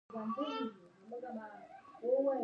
لمسی د ماشومتوب ښایست لري.